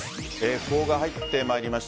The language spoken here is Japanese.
訃報が入ってまいりました。